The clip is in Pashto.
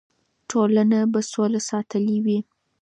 ټولنه به سوله ساتلې وي.